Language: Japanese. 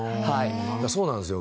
そうなんですよ。